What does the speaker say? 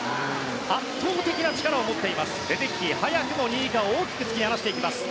圧倒的な力を持っているレデッキー、早くも２位以下を大きく突き放した。